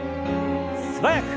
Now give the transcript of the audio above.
素早く。